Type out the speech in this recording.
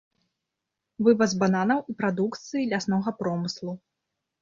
Вываз бананаў і прадукцыі ляснога промыслу.